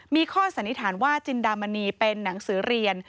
มีข้อสันนิษฐานว่าจินดามณีเป็นหนังสือเรียน